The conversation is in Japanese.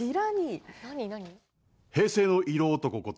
平成の色男こと